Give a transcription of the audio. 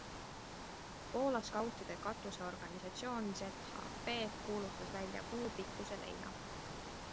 Poola skautide katuseorganisatsioon ZHP kuulutas välja kuu pikkuse leina.